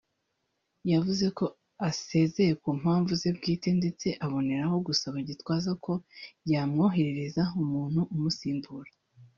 yavuze ko asezeye ku mpamvu ze bwite ndetse aboneraho gusaba Gitwaza ko yamwoherereza umuntu umusimbura